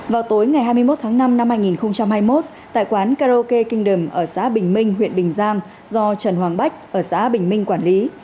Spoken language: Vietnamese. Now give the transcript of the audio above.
vào tối ngày hai mươi một tháng năm năm hai nghìn hai mươi một tại quán karaoke kinh đầm ở xã bình minh huyện bình giang do trần hoàng bách ở xã bình minh quản lý